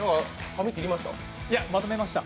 髪切りました？